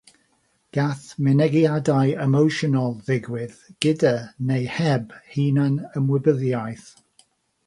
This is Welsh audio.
Gall mynegiadau emosiynol ddigwydd gyda neu heb hunan ymwybyddiaeth.